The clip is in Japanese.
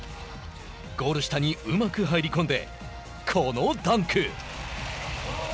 ゴール下にうまく入り込んでこのダンク。